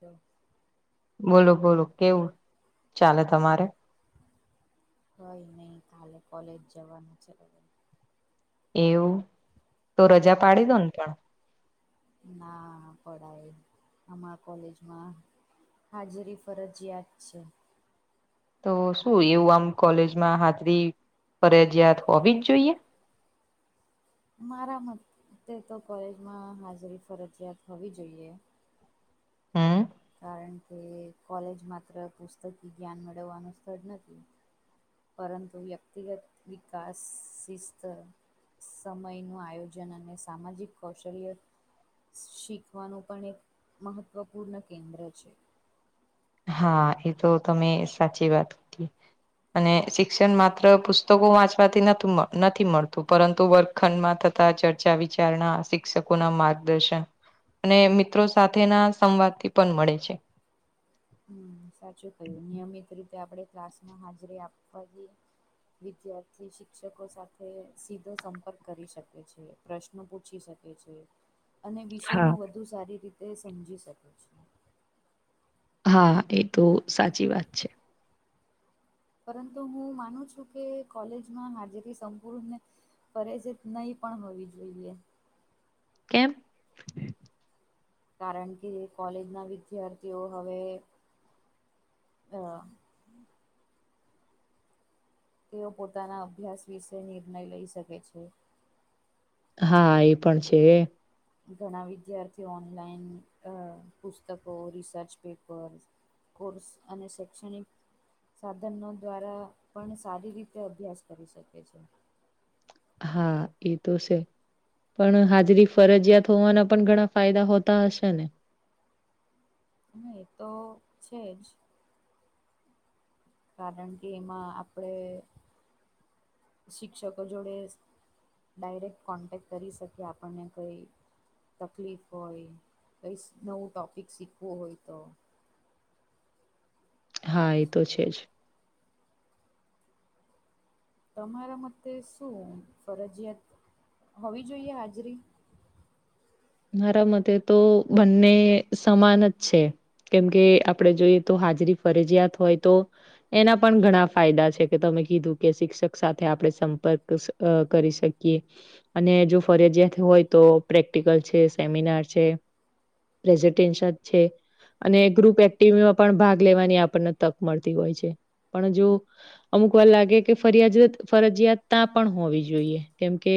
તો બોલો બોલો કેવું ચાલે તમારે કય નહી કાલે કોલેજ જવાનું છે. એવું તો રજા હા પાડી દો ને પણ ના પડાય આમા કોલેજમાં. હાજરી ફરજિયાત છે. તો શું એવું આમ કોલેજમાં હાજરી ફરજીયાત હોવી જ જોઈએ. મારા મતે તો કોલેજમાં હાજરી ફરજિયાત હોવી જોઈએ. હમ્મ. કારણ કે કોલેજ માત્ર પુસ્તકી જ્ઞાન મેળવવાનું સ્થળ નથી. પરંતુ વ્યક્તિગત વિકાસ, સિસ્ટ સમયનું આયોજન અને સામાજિક કૌશલ્ય શીખવાનું પણ એક મહત્વપૂર્ણ કેન્દ્ર છે. હા એ તો તમે સાચી વાત કીધી. અને શિક્ષણ માત્ર પુસ્તકો વાંચવાથી નથી મળતું પરંતુ વર્ક ખંડમાં થતા ચર્ચા વિચારણા શિક્ષકોના માર્ગદર્શન. અને મિત્રો સાથે ના સંવાદ થી પણ મળે છે. હમ સાચું કયું નિયમિત રીતે આપણે ક્લાસ. હ હાજરી આપ જ વિદ્યાર્થી શિક્ષકો સાથે સીધો સંપર્ક કરી શકે છે. પ્રશ્ન પૂછી શકે છે અને વિષય હા નુ વધુ સારી રીતે સમજી શકે છે. હા એ તો સાચી વાત છે. પરંતુ હું માનું છું કે કોલેજમાં હાજરી સંપૂર્ણ ફરે છે નહી પણ હોવી જોઈએ. કેમ કારણ કે કોલેજના વિદ્યાર્થીઓ હવે અ તેઓ પોતાના અભ્યાસ વિશે નિર્ણય લઈ શકે છે. હા એ પણ છે‌ ઘણા વિદ્યાર્થીઓ ઓનલાઈન અ પુસ્તકો રિસર્ચ પેપર કોર્સ અને શૈક્ષણિક સાધનો દ્વારા પણ સારી રીતે અભ્યાસ કરી શકે છે હા એ તો સે પણ હાજરી ફરજીયાત હોવાના પણ ઘણા ફાયદા હોતા હશે ને હ એ તો છે જ કારણ કે એમાં આપણેે શિક્ષકો જોડે ડાયરેક્ટ કોન્ટેક્ટ કરી શકીએ આપણને કંઈ તકલીફ હોય કંઈ નવું ટૉપિક શીખવું હોય તો હા એ તો છે જ તમારા મતે શું ફરજિયાત હોવી જોઈએ હાજરી મારા મતે તો બંને સમાન જ છે કેમકે આપણેે જોઈએ તો હાજરી ફરજિયાત હોય તો એના પણ ઘણા ફાયદા છે કે તમે કીધું કે શિક્ષક સાથે આપણે સંપર્ક અ કરી શકીએ અને જો ફરજિયા હોય તો પ્રેક્ટિકલ છે સેમિનાર છે પ્રેઝિન્ટેશન છે. અને ગ્રુપ એક્ટિવમાં પણ ભાગ લેવાની આપણને તક મળતી હોય છે પણ જો અમુક વાર લાગે કે ફરિયાત ફરજિયાત તા પણ હોવી જોઈએ કેમકે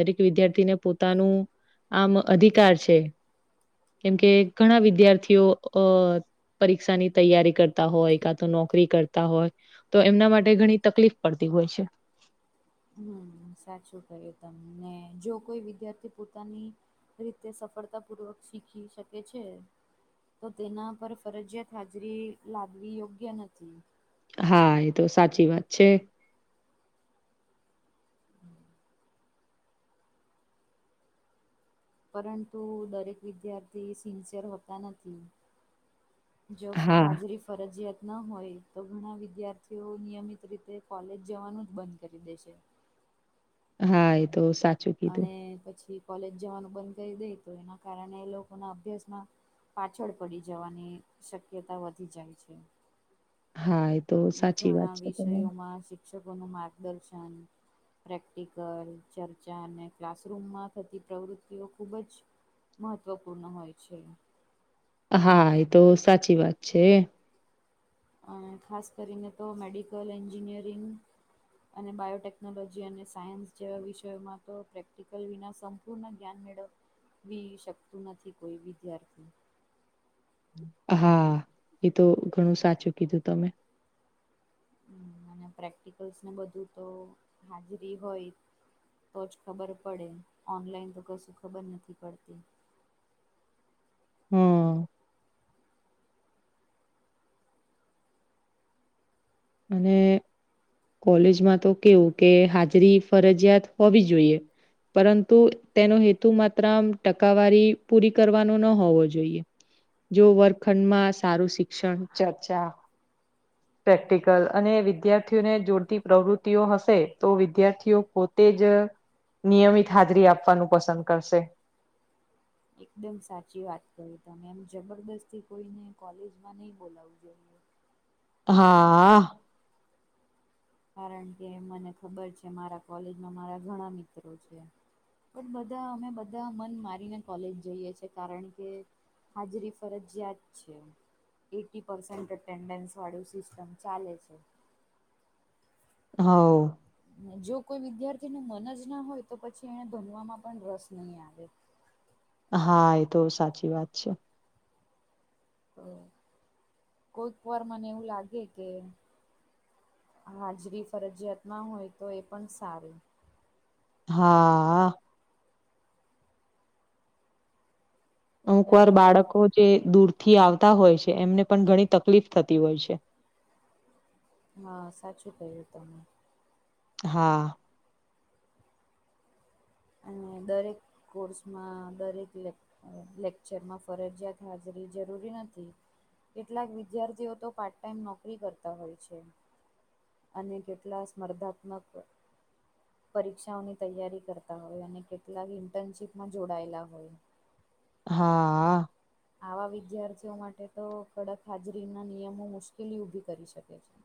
દરેક વિદ્યાર્થીને પોતાનું આમ અધિકાર છે કેમકે ઘણા વિદ્યાર્થીઓ અ પરીક્ષા ની તૈયારી કરતા હોય કા તો નોકરી કરતા હોય તો એમના માટે ઘણી તકલીફ પડતી હોય છે હમ સાચું કહ્યું તમને જો કોઈ વિદ્યાર્થી પોતાની રીતે સફળતાપૂર્વક શીખી શકે છે તો તેના પર ફરજિયાત હાજરી લાગવી યોગ્ય નથી હા એ તો સાચી વાત છે [inaudible] પરંતુ દરેક વિદ્યાર્થી સિન્સિયર હોતા નથી જોફ હા હાજરી ફરજીિયાત ન હોય તો ઘણા વિદ્યાર્થીઓ નિયમિત રીતે કોલેજ જવાનું જ બંધ કરી દે છે હા એ તો સા અને પછી કોલેજ જવાનું બંધ કરી દઈ તો એના કારણે એ લોકો ના અભ્યાસમાં પાછળ પડી જવાની શક્યતા વધી જાય છે હા એ તો સાચી વાત ઘણા છે તમારી. વિષયોમાં શિક્ષકોનું માર્ગદર્શન પ્રેક્ટિકલ ચર્ચા અને ક્લાસરૂમમાં થતી પ્રવૃત્તિઓ ખુબ જ મહત્ત્વપૂર્ણ હોય છે. હા એ તો સાચી વાત છે અ ખાસ કરીને તો મેડિકલ એન્જિનિયરિંગ અને બાયોટેકનોલોજી અને સાયન્સ જેવા વિષયોમાં તો પ્રેક્ટિકલ વિના સમ પૂર્ણ જ્ઞાન મેળવવી શકતું નથી કોઈ વિદ્યાર્થી હા એ તો ઘણું સાચું કીધું તમે હમ્મ અને પ્રેક્ટિકલ્સને બધું તો હાજરી હોય તો જ ખબર પડે ઓનલાઈન તો કશું ખબર નથી પડતી. હમ્મ. અને કોલેજમાં તો કેવું કે હાજરી ફરજિયાત હોવી જોઈએ પરંતુ તેનો હેતુ માત્ર આમ ટકાવારી પૂરી કરવાનો ન હોવો જોઈએ જો વર્ગખંડમાં સારું શિક્ષણ ચર્ચા પ્રેક્ટી અને વિદ્યાર્થીઓને જોડતી પ્રવૃતિઓ હશે તો વિદ્યાર્થીઓ પોતે જ નિયમિત હાજરી આપવાનું પસંદ કરશે. એકદમ સાચી વાત કરી તમે એમ જબરદસ્તી કોઈને કોલેજમાં નહી બોલાવવું જોઈએ. હા આ કારણ કે મને ખબર છે મારા કોલેજમાં મારા ઘણા મિત્રો છે. પણ બધા અમે બધા મન મારીને કોલેજ જઈએ છિએ કારણ કે હાજરી ફરજિયાત છે. એઇટી પરર્સેન્ટ અટેન્ડન્સવાળું સિસ્ટમ ચાલે છે. હાઓ જો કોઈ વિદ્યાર્થીને મન જ ના હોય તો પછી એને ભનવામાં પણ રસ નહી આવે. હા એ તો સાચી વાત છે. તો કોઈક વાર મને એવું લાગે કે હાજરી ફરજિયાત ના હોય તો એ પણ સારું. હા અમુક કારણ વાર કે બાળકો જે દૂરથી આવતા હોય છે એમને પણ ઘણી તકલીફ થતી હોય છે. હા સાચું કહ્યું તમે. હા. અને દરેક કોર્સમાં દરેકે લેક્ચરમાં ફરજિયાત હાજરી જરૂરી નથી. કેટલાક વિદ્યાર્થીઓ તો પાર્ટ ટાઈમ નોકરી કરતા હોય છે. અને કેટલા સ્પર્ધાત્મક- પરીક્ષાઓની તૈયારી કરતા હોય અને કેટલાક ઇન્ટર્નશીપમાં જોડાયેલા હોય [inaudible] [unintelligible] હા આ આવા વિદ્યાર્થીઓ માટે તો કડક હાજરીના નિયમો મુશ્કેલી ઊભી કરી શકે છે.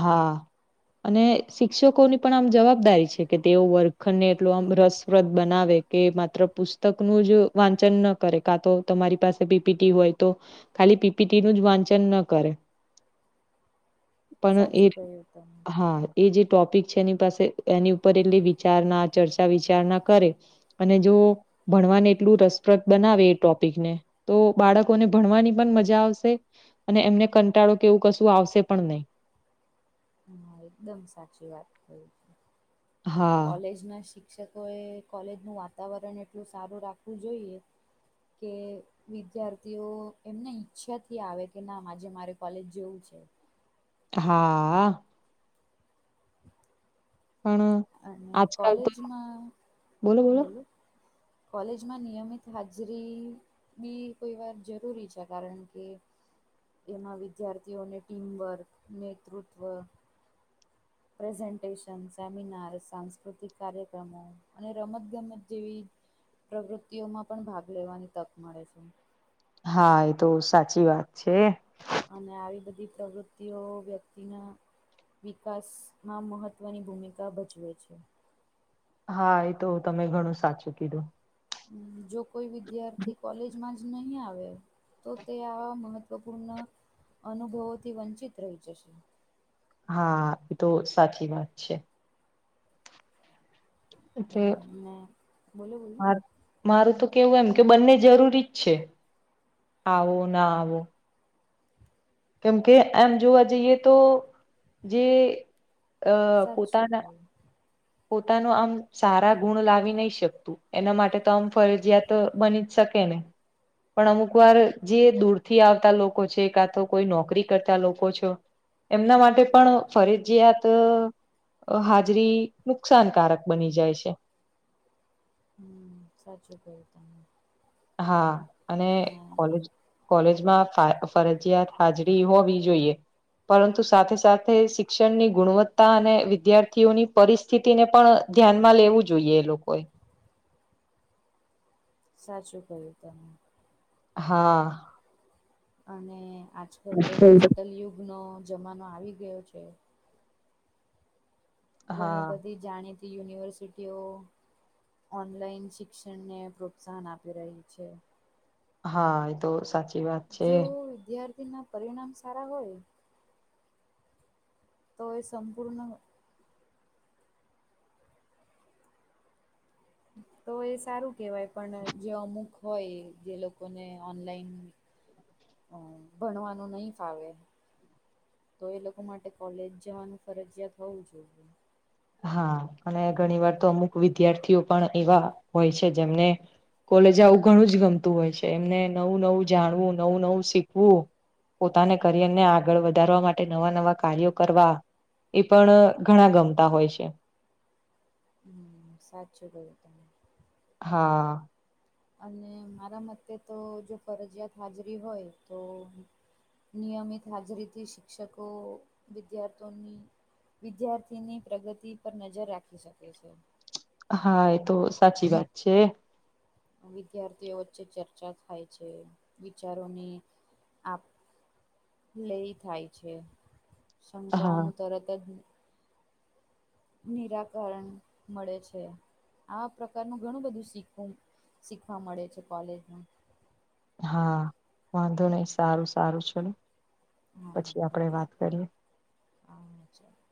હા અને શિક્ષકોની પણ આમ જવાબદારી છે કે તેઓ વર્ગખંડ ને એટલો આમ રસપ્રદ બનાવે કે માત્ર પુસ્તકનું જ વાંચન ન કરે, કા તો તમારી પાસે પીપીટી હોય તો ખાલી પીપીટીનું જ વાંચન ન કરે. પણ એ સાચું કહ્યું હા એ જે ટોપિક છે એની પાસે એની ઉપર એટલી વિચારણા, ચર્ચા વિચારણા કરે, અને જો ભણવાને એટલું રસપ્રદ બનાવે એ ટોપિકને તો બાળકોને ભણવાની પણ મજા આવશે અને એમને કંટાળો કે એવું કશું આવશે પણ નહીં. હા એકદમ સાચી વાત કઇ હા કોલેજના શિક્ષક શિક્ષકોએ કોલેજનું વાતાવરણ એટલું સારું રાખવું જોઈએ કે વિદ્યાર્થીઓ એમને ઈચ્છાથી આવે કે ના આજે મારે કોલેજ જેવું છે. હા. પણ અને આજકાલ તો કોલેજમાં. બોલો કોલેજમાં નિયમિત હાજરી ભી કોઈ વાર જરૂરી છે. કારણ કે એમાં વિદ્યાર્થીઓને ટીમવર્ક, નેતૃત્વ, પ્રેઝન્ટેશનસ, મીનાર સાંસ્કૃતિક, કાર્યક્રમો અને રમત-ગમત જેવી પ્રવૃત્તિઓમાં પણ ભાગ લેવાની તક મળે છે. હા એ તો સાચી વાત છે. અને આવી બધી પ્રવૃત્તિઓ વ્યક્તિના વિકાસમાં મહત્ત્વની ભૂમિકા ભજવે છે. હા એ તો તમે ઘણું સાચું કીધું. જો કોઈ વિદ્યાર્થી કોલેજમાં જ નહી આવે તો તે આવા મહત્વપૂર્ણ અનુભવોથી વંચિત રહી જશે. હા એ તો સાચી વાત છે. એ ને બોલો બોલો હ. મારું તો કેવું એમ કે બંને જરૂરી જ છે આવો ના આવો કેમકે એમ જોવા જઈએ તો જે અ સાચું પોતાના કહ્યું પોતાનું આમ સારા ગુણ લાવી નહી શકતું. એના માટે તો આમ ફરજયાત બની જ શકે ને. પણ અમુક વાર જે દૂરથી આવતા લોકો છે કાં તો કોઈ નોકરી કરતા લોકો છો એમના માટે પણ ફરજયાત હાજરી નુકસાનકારક બની જાય છે. હમ્મ સાચું કહ્યું તમે. હા અને ને કોલેજ કોલેજમાં ફરજિયાત હાજરી હોવી જોઈએ. પરંતુ સાથે સાથે શિક્ષણની ગુણવત્તા અને વિદ્યાર્થીઓની પરિસ્ સ્થિતિ ને પણ ધ્યાનમાં લેવું જોઈએ એ લોકોએ. સાચું કય્યું તમે. હા. અને આજકાલ તો ડિજિટલ યુગનો જમાનો આવી ગયો છે. ઘણી હા બધી જાણીતી યુનિવર્સિટીઓ ઓનલાઈન શિક્ષણ ને પ્રોત્સાહન આપી રહી છે. હા એ તો સાચી. વાત જો છે વિદ્યાર્થીના પરિણામ સારા હોય તો એ સંપૂર્ણ તો એ સારું કેહેવાય પણ જે અમુક હોય જે લોકોને ઓનલાઈન હમ ભણવાનું નહી ફાવે તો એ લોકો માટે કોલેજ જવાનું ફરજિયાત હોવું જોઈએ. હા અને ઘણી વાર તો અમુક વિદ્યાર્થીઓ પણ એવા હોય છે જેમને કોલેજ આવું ઘણું જ ગમતું હોય છે એમને નવું નવું જાણવું નવું નવું શીખવું પોતાના કરિયર ને આગળ વધારવા માટે નવા નવા કાર્યો કરવા એ પણ ઘણા ગમતા હોય છે. સાત કહ્યું તમે. હા. અને મારા મતે તો જો ફરજિયાત હાજરી હોય તો નિયમિત હાજરીથી શિક્ષકો, વિદ્યાર્થીઓની વિદ્યાર્થીની પ્રગતિ પર નજર રાખી શકે છે હા એ તો સાચી વાત છે વિદ્યાર્થીઓ વચ્ચે ચર્ચા થાય છે વિચારોની આપ લઈ થાય છે હા શંકાઓનું તરત જ નિરાકરણ મળે છે આવા પ્રકારનું ઘણું બધું શીખવું શીખવા મળે છે કોલેજમાં હા વાંધો નહી સારું સારું છેડું હ હ છે